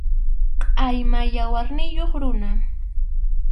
Qʼayma yawarniyuq runa.